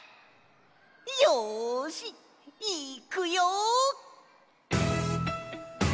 よしいっくよ！